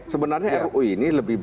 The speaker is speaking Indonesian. sebenarnya ruu ini lebih